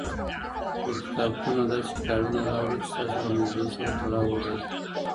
له کتابتونه داسي کتابونه راوړئ چي ستاسو له موضوع سره تړاو ولري.